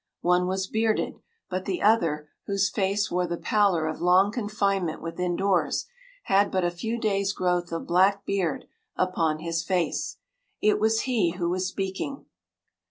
One was bearded, but the other, whose face wore the pallor of long confinement within doors, had but a few days’ growth of black beard upon his face. It was he who was speaking.